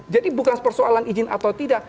jadi bukan persoalan izin atau tidak